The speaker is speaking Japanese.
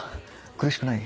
苦しくない？